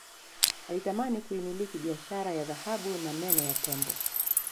Alitamani kuimiliki biashara ya dhahabu na meno ya tembo